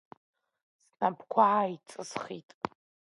Снапқәа ааиҵысхит.